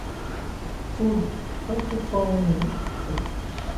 Ur d-ttekkseɣ tiṭṭawin-inu seg-sen.